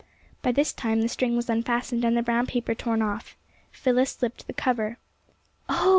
By this time the string was unfastened, and the brown paper torn off. Phyllis slipped the cover. '' Oh!